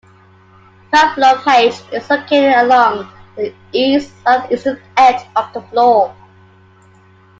Pavlov H is located along the east-southeastern edge of the floor.